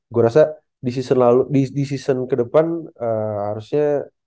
gue rasa di season ke depan harusnya